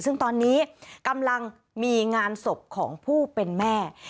ซึ่งตอนนี้กำลังมีงานศพของผู้เป็นแม่